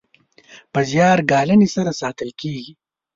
په زیار ګالنې سره ساتل کیږي.